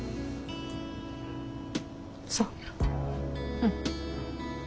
うん。